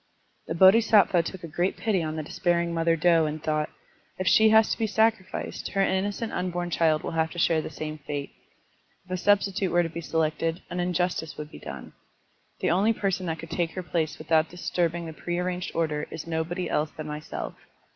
*' The Bodhisattva took a great pity on the despairing mother doe and thought: If she has to be sacrificed, her innocent tmbom child will have to share the same fate. If a substitute were to be selected, an injustice would be done. The only person that could take her place with out disturbing the prearranged order is nobody else than myself.